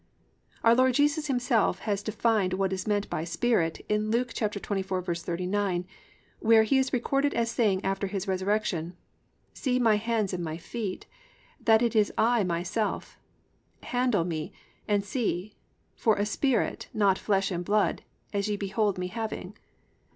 Our Lord Jesus Himself has defined what is meant by "spirit" in Luke 24:39, where He is recorded as saying after His resurrection: +"See My hands and My feet, that it is I Myself; handle Me, and see, for a spirit not flesh and blood, as ye behold Me having."